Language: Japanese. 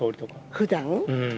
ふだん？